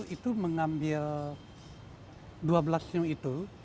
itu mengambil dua belas sinu itu